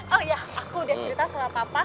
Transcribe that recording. oh iya aku udah cerita soal papa